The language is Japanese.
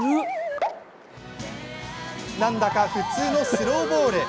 なんだか普通のスローボール。